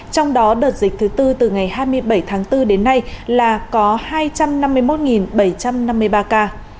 trong đó đợt dịch thứ tư từ ngày hai mươi bảy tháng bốn đến nay là có hai trăm năm mươi một bảy trăm năm mươi ba ca